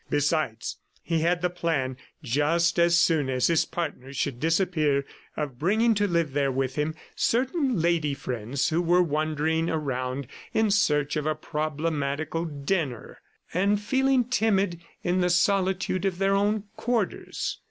Besides he had the plan just as soon as his partner should disappear of bringing to live there with him certain lady friends who were wandering around in search of a problematical dinner, and feeling timid in the solitude of their own quarters.